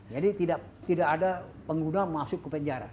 jadi tidak ada pengguna masuk ke penjara